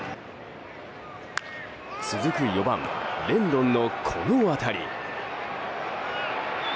続く４番、レンドンのこの当たり。